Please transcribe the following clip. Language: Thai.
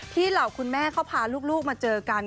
เหล่าคุณแม่เขาพาลูกมาเจอกัน